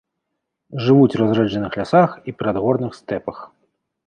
Жывуць у разрэджаных лясах і перадгорных стэпах.